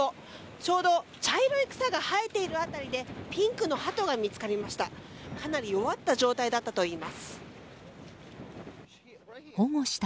ちょうど茶色い草が生えている辺りでピンクのハトが見つかりました。